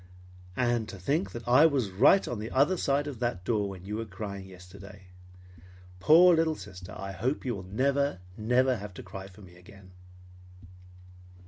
"And to think that I was right on the other side of that door when you were crying yesterday! Poor little sister, I hope you will never, never have to cry for me again."